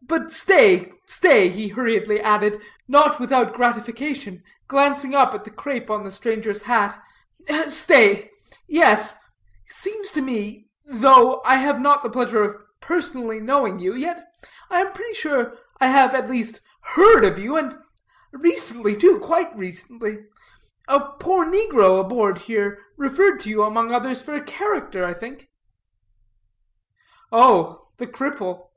But stay, stay," he hurriedly added, not without gratification, glancing up at the crape on the stranger's hat, "stay yes seems to me, though I have not the pleasure of personally knowing you, yet I am pretty sure I have at least heard of you, and recently too, quite recently. A poor negro aboard here referred to you, among others, for a character, I think." "Oh, the cripple.